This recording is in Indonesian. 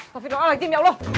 taufiq allah jem ya allah